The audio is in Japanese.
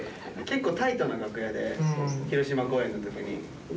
結構タイトな楽屋で広島公演の時に。